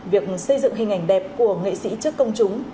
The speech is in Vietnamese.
việc xây dựng hình ảnh đẹp của nghệ sĩ trước công chúng